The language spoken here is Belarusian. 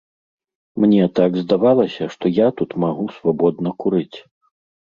Мне так здавалася, што я тут магу свабодна курыць.